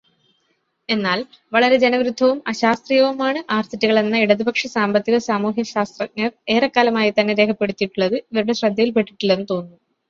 എന്നാൽ, വളരെ ജനവിരുദ്ധവും അശാസ്ത്രീയവുമാണ് ആർസിറ്റികൾ എന്ന് ഇടതുപക്ഷ സാമ്പത്തിക-സാമൂഹ്യശാസ്ത്രജ്ഞർ ഏറെക്കാലമായിത്തന്നെ രേഖപ്പെടുത്തിയിട്ടുള്ളത് ഇവരുടെ ശ്രദ്ധയിൽപെട്ടിട്ടില്ലെന്ന് തോന്നുന്നു.